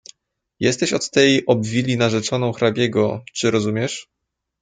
"Jesteś od tej obwili narzeczoną hrabiego, czy rozumiesz?"